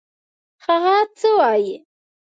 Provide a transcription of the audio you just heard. هغه څه وايي.